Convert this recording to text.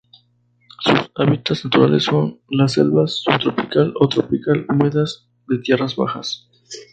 Sus hábitats naturales son las selvas subtropical o tropical húmedas de tierras bajas.